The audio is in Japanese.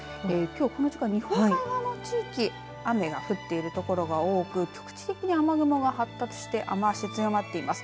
この時間、日本海側の地域雨が降ってるところが多く局地的に雨雲が発達して雨足強まっています。